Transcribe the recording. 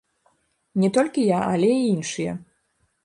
Не толькі я, але і іншыя.